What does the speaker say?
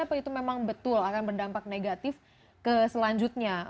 apa itu memang betul akan berdampak negatif ke selanjutnya